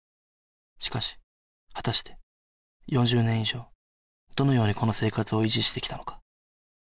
しかし果たして４０年以上どのようにこの生活を維持してきたのか？